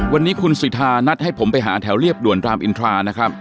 วันนี้คุณสิทธานัดให้ผมไปหาแถวเรียบด่วนรามอินทรานะครับ